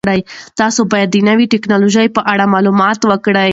تاسو باید د نوې تکنالوژۍ په اړه مطالعه وکړئ.